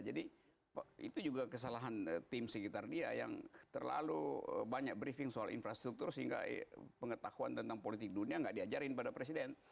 jadi itu juga kesalahan tim sekitar dia yang terlalu banyak briefing soal infrastruktur sehingga pengetahuan tentang politik dunia tidak diajarin pada presiden